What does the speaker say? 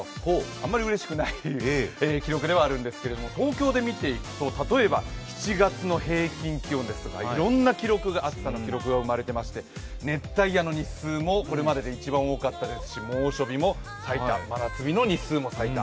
あんまりうれしくない記録ではあるんですけれども東京で見ていくと例えば７月の平均気温ですとかいろんな記録、暑さの記録が生まれていまして熱帯夜の日数もこれまでで一番多かったですし猛暑日も最多、真夏日の日数も最多。